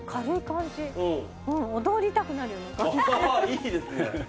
いいですね。